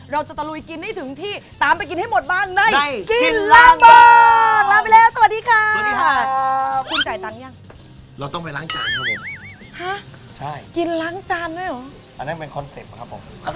ตะลุยกินให้ถึงที่ตามไปกินให้หมดบ้างในกินล้างบาง